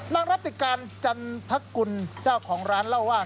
นักราชิกาณจรรยฐกุญเจ้าของร้านเล่าว่า